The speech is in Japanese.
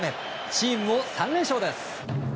チームも３連勝です。